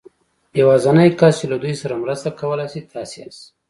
يوازېنی کس چې له دوی سره مرسته کولای شي تاسې ياست.